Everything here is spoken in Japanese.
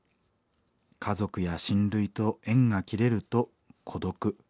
家族や親類と縁が切れると孤独。